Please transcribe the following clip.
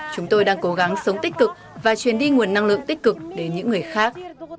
chúng tôi đang cố gắng sống tích cực và truyền đi nguồn năng lượng tích cực đến những người khác